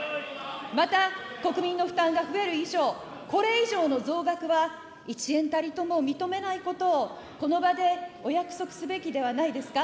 また、国民の負担が増える以上、これ以上の増額は一円たりとも認めないことをこの場でお約束すべきではないですか。